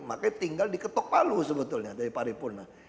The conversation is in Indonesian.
makanya tinggal diketok palu sebetulnya dari paripurna